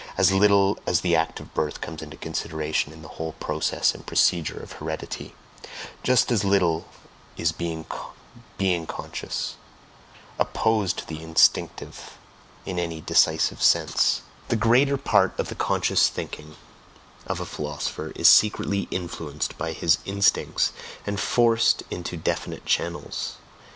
As little as the act of birth comes into consideration in the whole process and procedure of heredity, just as little is "being conscious" OPPOSED to the instinctive in any decisive sense; the greater part of the conscious thinking of a philosopher is secretly influenced by his instincts, and forced into definite channels.